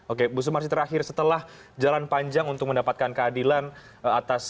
oke bu sumarsi terakhir setelah jalan panjang untuk mendapatkan keadilan atas